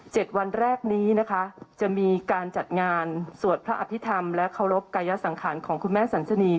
วันแรกนี้นะคะจะมีการจัดงานสวดพระอภิษฐรรมและเคารพกายสังขารของคุณแม่สันสนี